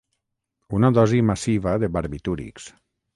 Una dosi massiva de barbitúrics.